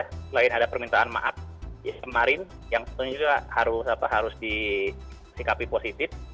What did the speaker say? selain ada permintaan maaf kemarin yang tentunya juga harus disikapi positif